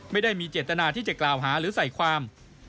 ไม่ได้มีเจตนาที่จะกล่าวหาหรือใส่ความ